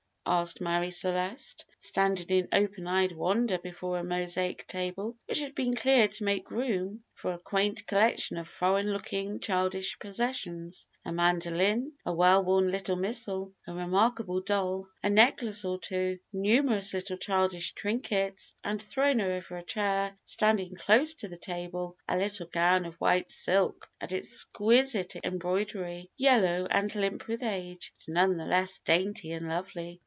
asked Marie Celeste, standing in open eyed wonder before a mosaic table, which had been cleared to make room for a quaint collection of foreign looking, childish possessions a mandolin, a well worn little missal, a remarkable doll, a necklace or two, numerous little childish trinkets, and thrown over a chair, standing close to the table, a little gown of white silk and exquisite embroidery, yellow and limp with age, but none the less dainty and lovely.